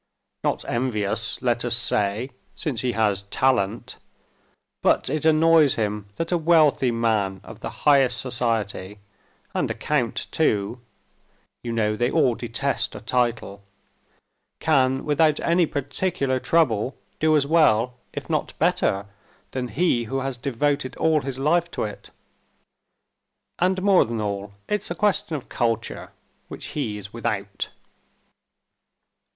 "Not envious, let us say, since he has talent; but it annoys him that a wealthy man of the highest society, and a count, too (you know they all detest a title), can, without any particular trouble, do as well, if not better, than he who has devoted all his life to it. And more than all, it's a question of culture, which he is without."